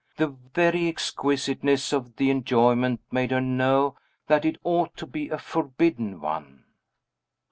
The very exquisiteness of the enjoyment made her know that it ought to be a forbidden one.